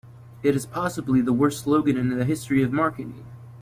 It is possibly the worst slogan in the history of marketing.